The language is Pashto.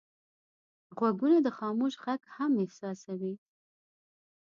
غوږونه د خاموش غږ هم احساسوي